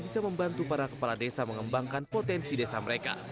bisa membantu para kepala desa mengembangkan potensi desa mereka